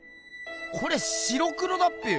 これ白黒だっぺよ。